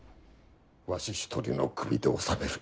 わし一人の首で収める。